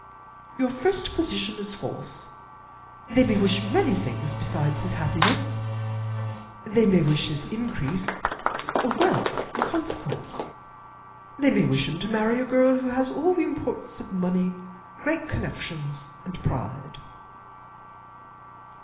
"Your first position is false. They may wish many things besides his happiness: they may wish his increase of wealth and consequence; they may wish him to marry a girl who has all the importance of money, great connections, and pride."